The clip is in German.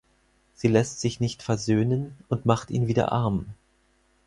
Sie lässt sich nicht versöhnen und macht ihn wieder arm.